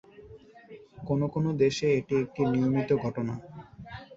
কোনো কোনো দেশে এটি একটি নিয়মিত ঘটনা।